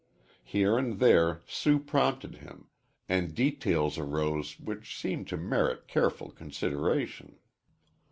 Here and there Sue prompted him, and details arose which seemed to merit careful consideration.